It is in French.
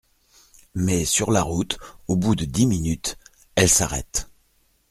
Mais sur la route, au bout de dix minutes, elle s’arrête.